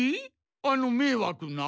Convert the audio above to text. あのめいわくな？